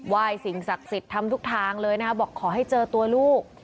ไหว่สิงสักศิษย์ทำทุกทางเลยนะบอกขอให้เจอตัวลูก